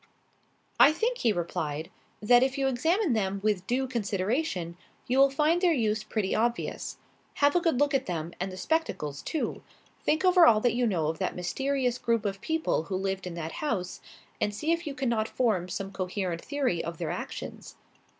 "I think," he replied, "that if you examine them with due consideration, you will find their use pretty obvious. Have a good look at them and the spectacles too. Think over all that you know of that mysterious group of people who lived in that house, and see if you cannot form some coherent theory of their actions.